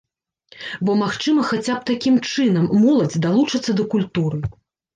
Бо, магчыма, хаця б такім чынам моладзь далучыцца да культуры.